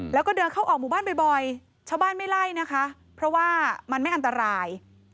แล้วก็เดินเข้าออกหมู่บ้านบ่อยชาวบ้านไม่ไล่นะคะเพราะว่ามันไม่อันตราย